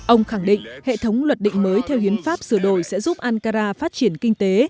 ông khẳng định hệ thống luật định mới theo hiến pháp sửa đổi sẽ giúp ankara phát triển kinh tế